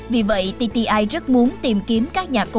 vì vậy tti rất muốn tìm kiếm các nhà công nghiệp